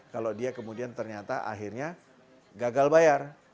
kalau dia kemudian ternyata akhirnya gagal bayar